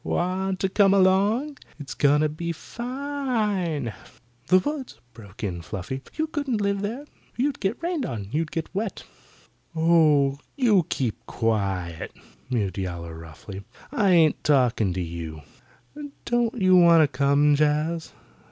Want to come along? It's going to be fine." "The woods!" broke in Fluffy. "You couldn't live there. You'd be rained on. You'd get wet." "Oh, you keep quiet," mewed Yowler roughly. "I ain't talking to you. Don't you want to come, Jaz?